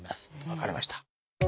分かりました。